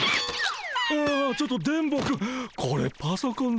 ああちょっと電ボくん